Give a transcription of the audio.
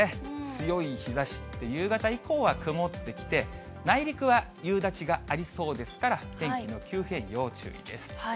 強い日ざし、夕方以降は曇ってきて、内陸は夕立がありそうですから、天気の急変、要注意です。